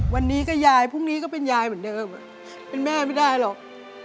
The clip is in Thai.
วันนี้ก็ยายพรุ่งนี้ก็เป็นยายเหมือนเดิมเป็นแม่ไม่ได้หรอก